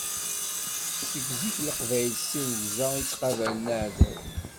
Seg zik leqbayel s tirugza i ttqabalen aɛdaw.